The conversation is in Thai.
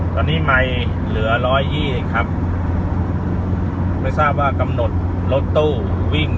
ตอนนี้ไมค์เหลือร้อยยี่สิบครับไม่ทราบว่ากำหนดรถตู้วิ่ง